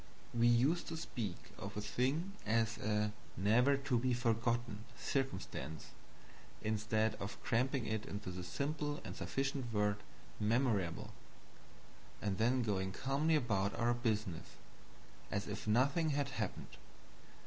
We used to speak of a thing as a "never to be forgotten" circumstance, instead of cramping it into the simple and sufficient word "memorable" and then going calmly about our business as if nothing had happened.